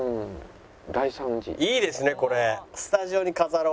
いいですねこれ！